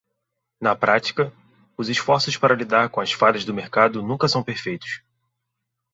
Na prática, os esforços para lidar com as falhas do mercado nunca são perfeitos.